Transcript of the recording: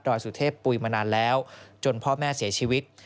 สุเทพปุ๋ยมานานแล้วจนพ่อแม่เสียชีวิต